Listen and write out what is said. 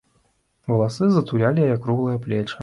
Валасы затулялі яе круглыя плечы.